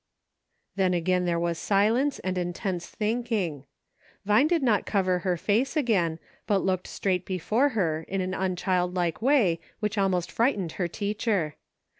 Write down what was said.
^" Then again there was silence and intense think ing. Vine did not cover her face again, but looked straight before her in an unchildlike way which almost frightened her teacher.